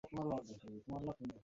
প্রেসে যেতে আর এক ঘণ্টা।